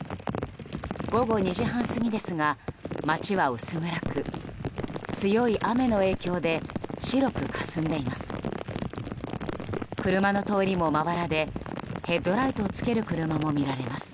午後２時半過ぎですが街は薄暗く強い雨の影響で白くかすんでいます。